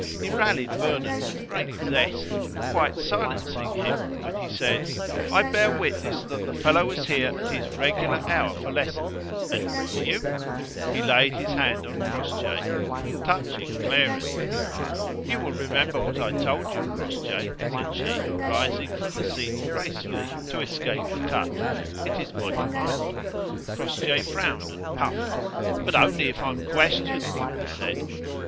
He rallied Vernon with great zest, quite silencing him when he said: "I bear witness that the fellow was here at his regular hour for lessons, and were you?" He laid his hand on Crossjay, touching Clara's. "You will remember what I told you, Crossjay," said she, rising from the seat gracefully to escape the touch. "It is my command." Crossjay frowned and puffed. "But only if I'm questioned," he said.